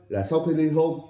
là sau khi ly hôn